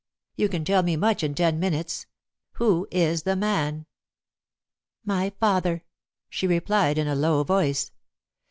"You can tell me much in ten minutes. Who is the man?" "My father," she replied in a low voice.